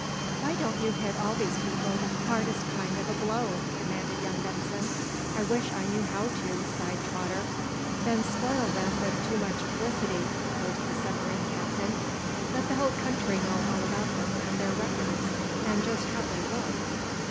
"Why don't you hit all these people the hardest kind of a blow?" demanded young Benson. "I wish I knew how to," sighed Trotter. "Then spoil them with too much publicity," proposed the submarine captain. "Let the whole country know all about them and their records, and just how they look."